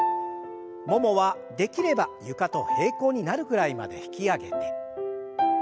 ももはできれば床と平行になるぐらいまで引き上げて。